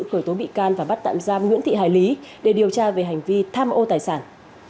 khởi tố bị can và bắt tạm giam nguyễn thị hải lý để điều tra về hành vi tham ô tài sản